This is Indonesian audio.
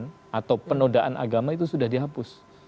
penolakan atau penodaan agama itu sudah dihapus